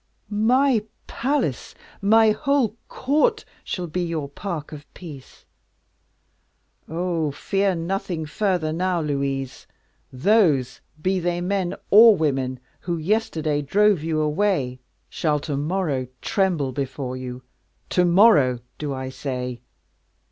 "My palace, my whole court, shall be your park of peace. Oh! fear nothing further now, Louise; those be they men or women who yesterday drove you away, shall to morrow tremble before you to morrow, do I say?